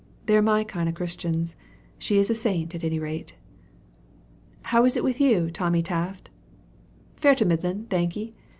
They're my kind o' Christians. She is a saint, at any rate." "How is it with you, Tommy Taft?" "Fair to middlin', thank'e.